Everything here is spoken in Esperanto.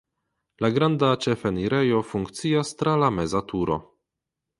La granda ĉefenirejo funkcias tra la meza turo.